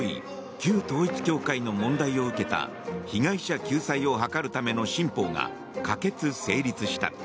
旧統一教会の問題を受けた被害者救済を図るための新法が可決・成立した。